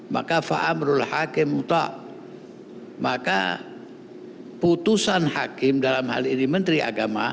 maka putusan hakim dalam hal ini menteri agama